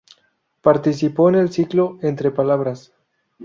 Participó en el ciclo Entre Palabras.